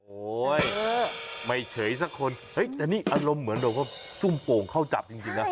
โอ๊ยไม่เฉยสักคนเฮ้ยแต่นี่อารมณ์เหมือนแบบว่าซุ่มโป่งเข้าจับจริงนะ